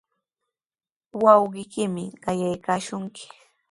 Wawqiykimi qayaykaashunki.